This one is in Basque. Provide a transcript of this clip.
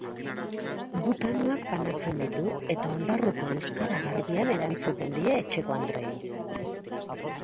Butanoak banatzen ditu eta ondarruko euskara garbian erantzuten die etxekoandreei.